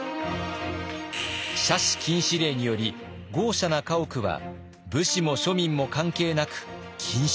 奢侈禁止令により豪奢な家屋は武士も庶民も関係なく禁止。